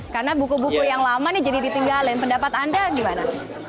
karena buku buku yang lama nih jadi ditinggalin pendapat anda gimana